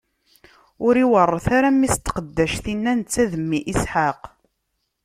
Ur iweṛṛet ara mmi-s n tqeddact-inna netta d mmi Isḥaq!